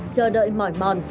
chờ đợi mỏi mòn